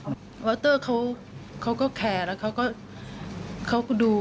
เขาก็ด้วยบัตรน่าจริงและมั่นคง